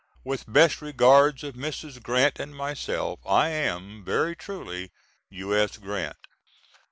With best regards of Mrs. Grant and myself, I am, Very truly, U.S. GRANT.